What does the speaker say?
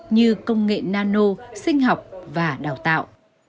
như công nghệ nano sinh học và đào tạo